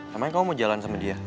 namanya kamu mau jalan sama dia